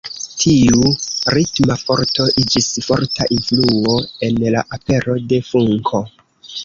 Tiu ritma forto iĝis forta influo en la apero de funko.